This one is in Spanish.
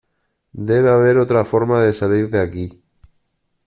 Debe haber otra forma de salir de aquí.